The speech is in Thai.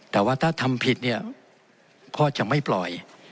แต่ว่าถ้าทำผิดเนี่ยก็จะไม่ปล่อย